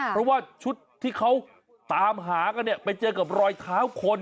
เพราะว่าชุดที่เขาตามหากันเนี่ยไปเจอกับรอยเท้าคน